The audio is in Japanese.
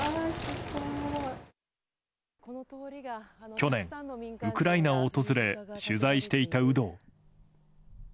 去年、ウクライナを訪れ取材していた有働。